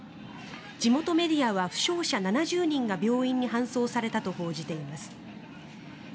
地元メディアは負傷者７０人が病院に搬送されたと報じています。